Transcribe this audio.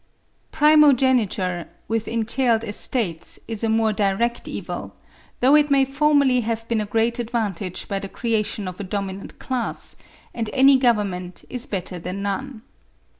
Primogeniture with entailed estates is a more direct evil, though it may formerly have been a great advantage by the creation of a dominant class, and any government is better than none.